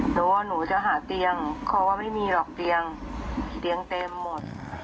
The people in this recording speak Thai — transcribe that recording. หนูว่าหนูจะหาเตียงเพราะว่าไม่มีหรอกเตียงเตียงเต็มหมด